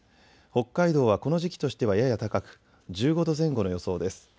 北海道はこの時期としてはやや高く１５度前後の予想です。